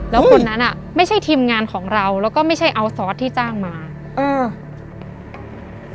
แล้วคนนั้นอ่ะไม่ใช่ทีมงานของเราแล้วก็ไม่ใช่เอาซอสที่จ้างมาเออ